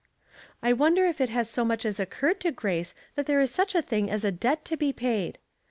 " I wonder if it has so much as occurred to Grace that there is such a thing as a debt to be paid